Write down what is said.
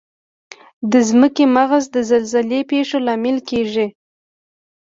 د ځمکې مغز د زلزلې پېښو لامل کیږي.